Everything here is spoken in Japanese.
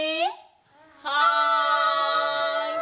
はい！